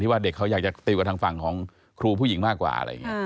ที่ว่าเด็กเขาอยากจะติวกับทางฝั่งของครูผู้หญิงมากกว่า